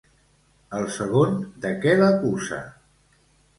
El segon de què l'acusa?